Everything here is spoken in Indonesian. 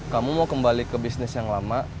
kamu mau kembali ke bisnis yang lama